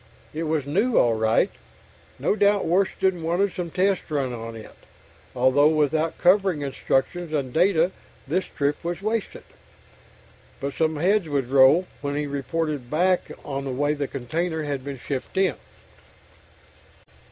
It was new all right no doubt Washington wanted some tests run on it, although without covering instructions and data this trip was wasted. But some heads would roll when he reported back on the way the container had been shipped in.